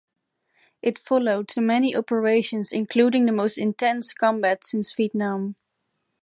It followed the many operations including the most intense combat since Vietnam.